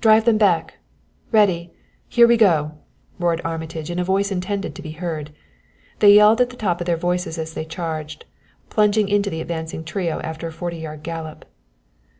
"Drive them back! Ready here we go!" roared Armitage in a voice intended to be heard. They yelled at the top of their voices as they charged, plunging into the advancing trio after a forty yard gallop.